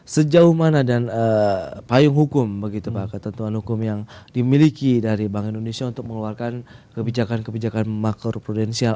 sejauh mana dan payung hukum begitu pak ketentuan hukum yang dimiliki dari bank indonesia untuk mengeluarkan kebijakan kebijakan makro prudensial